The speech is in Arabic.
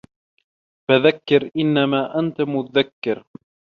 فَذَكِّر إِنَّما أَنتَ مُذَكِّرٌ